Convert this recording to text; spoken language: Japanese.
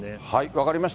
分かりました。